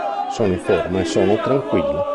Sono in forma e sono tranquillo.